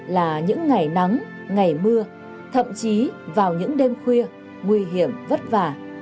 là những ngày nắng ngày mưa thậm chí vào những đêm khuya nguy hiểm vất vả